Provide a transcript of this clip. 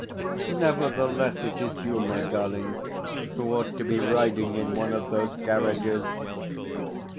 Nevertheless, it is you, my darling, who ought to be riding in one of those carriages.